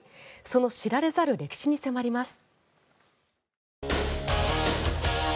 その知られざる歴史に迫ります。